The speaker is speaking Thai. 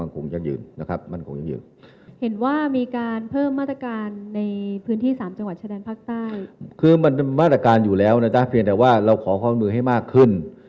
คือมันเป็นมาตรการอยู่แล้วนะจ๊ะเพียงแต่ว่าเราขอความมือให้มากขึ้น